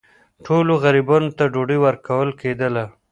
ټولو غریبانو ته ډوډۍ ورکول کېدله.